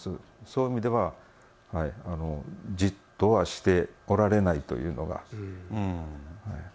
そういう意味では、じっとはしておられないというのは。